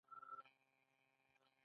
کنفرانس مشخص زماني معیاد لري.